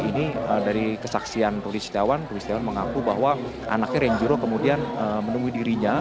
ini dari kesaksian rudy setiawan rudy setiawan mengaku bahwa anaknya renjiro kemudian menemui dirinya